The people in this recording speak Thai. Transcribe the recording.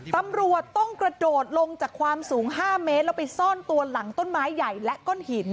ตำรวจต้องกระโดดลงจากความสูง๕เมตรแล้วไปซ่อนตัวหลังต้นไม้ใหญ่และก้อนหิน